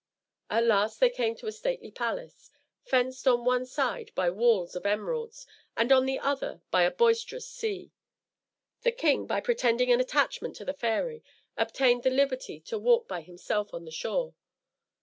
At last they came to a stately palace, fenced on one side by walls of emeralds, and on the other by a boisterous sea. The king, by pretending an attachment to the fairy, obtained the liberty to walk by himself on the shore.